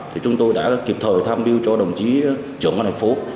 thì chúng tôi đã kịp thời tham mưu cho đồng chí trưởng an thành phố